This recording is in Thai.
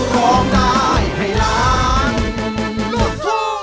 ร้องได้ให้ล้าน